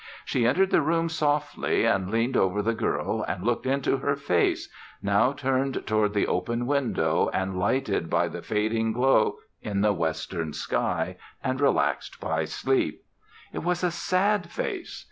She entered the room softly and leaned over the girl and looked into her face, now turned toward the open window and lighted by the fading glow in the western sky and relaxed by sleep. It was a sad face!